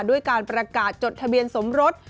ด้วยการประกาศจดทะเบียนสมรส